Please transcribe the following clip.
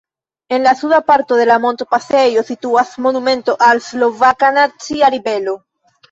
En la suda parto de la montpasejo situas monumento al Slovaka nacia ribelo.